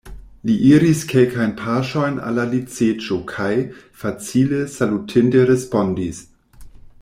Li iris kelkajn paŝojn al la litseĝo kaj, facile salutinte, respondis: